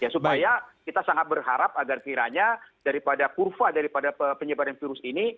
supaya kita sangat berharap agar kiranya daripada kurva daripada penyebaran virus ini